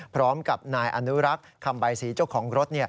พร้อมกับนายอนุรักษ์คำใบสีเจ้าของรถ